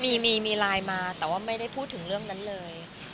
มีมีไลน์มาแต่ว่าไม่ได้พูดถึงเรื่องนั้นเลย